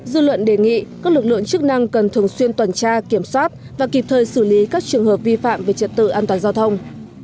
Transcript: dư luận đề nghị các lực lượng chức năng cần thường xuyên tuần tra kiểm soát và kịp thời xử lý các trường hợp vi phạm về trật tự an toàn giao thông